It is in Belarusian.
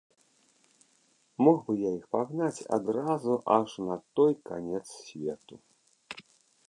Мог бы я іх пагнаць адразу аж на той канец свету.